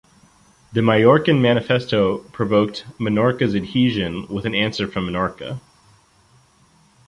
The Mallorcan manifesto provoked Menorca’s adhesion with an answer from Menorca.